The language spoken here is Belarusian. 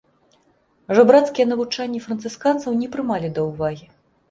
Жабрацкія навучанні францысканцаў не прымалі да ўвагі.